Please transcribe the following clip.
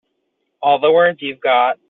All the words you've got.